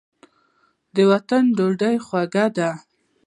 د وطن ډوډۍ خوږه ده.